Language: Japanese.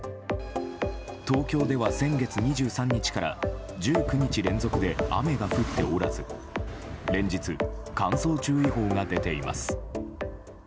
東京では、先月２３日から１９日連続で雨が降っておらず連日、乾燥注意報が出ています。